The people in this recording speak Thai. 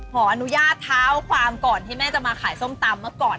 ขออนุญาตเท้าความก่อนที่แม่จะมาขายส้มตำเมื่อก่อน